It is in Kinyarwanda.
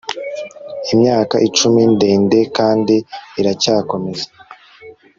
Imyaka icumi ndende kandi iracyakomeza